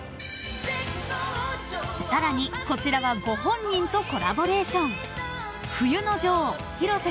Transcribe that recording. ［さらにこちらはご本人とコラボレーション］